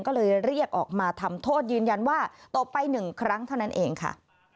ก็เลยเรียกออกมาทำโทษยืนยันว่าตบไป๑ครั้งเท่านั้นเองค่ะ